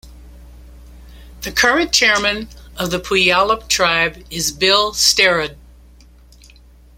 The current chairman of the Puyallup Tribe is Bill Sterud.